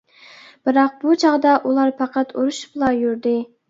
بىراق، بۇ چاغدا ئۇلار پەقەت ئۇرۇشۇپلا يۈردى.